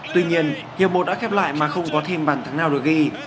tuy nhiên hiệp một đã khép lại mà không có thêm bàn thắng nào được ghi